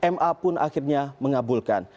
ma pun akhirnya mengabulkan